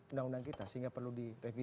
undang undang kita sehingga perlu direvisi